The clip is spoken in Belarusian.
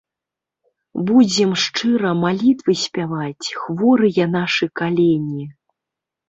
Будзем шчыра малітвы спяваць, хворыя нашы калені.